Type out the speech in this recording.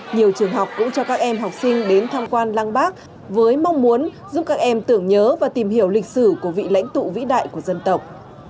nhiều trường học cũng cho các em học sinh đến tham quan lăng bác với mong muốn giúp các em tưởng nhớ và tìm hiểu lịch sử của vị lãnh tụ vĩ đại của dân tộc